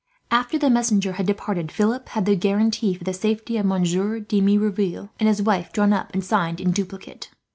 After the messenger had departed, Philip had the guarantee for the safety of Monsieur de Merouville and his wife drawn up and signed, in duplicate.